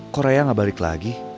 korea gak balik lagi